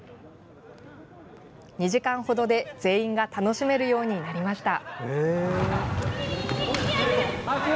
２時間ほどで全員が楽しめるようになりました。